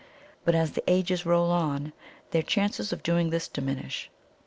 But as the ages roll on, their chances of doing this diminish.